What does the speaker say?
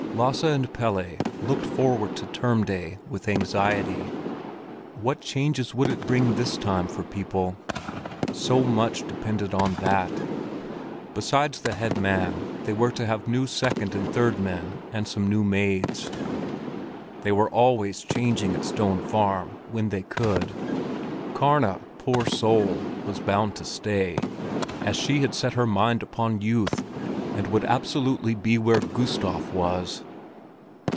Lasse and Pelle looked forward to term day with anxiety. What changes would it bring this time for people? So much depended on that. Besides the head man, they were to have new second and third men and some new maids. They were always changing at Stone Farm when they could. Karna, poor soul, was bound to stay, as she had set her mind upon youth, and would absolutely be where Gustav was!